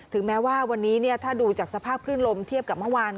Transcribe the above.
ถึงแม้ว่าวันนี้ถ้าดูจากสภาพคลื่นลมเทียบกับเมื่อวาน